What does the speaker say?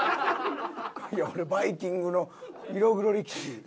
いや俺『バイキング』の色黒力士。